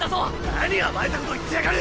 何甘えたこと言ってやがる！